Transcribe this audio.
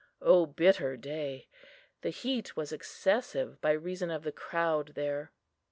O bitter day! the heat was excessive by reason of the crowd there."